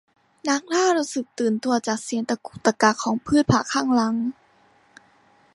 นักล่ารู้สึกตื่นตัวจากเสียงตะกุกตะกักของพืชผักข้างหลัง